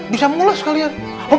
bisa mulai sekalian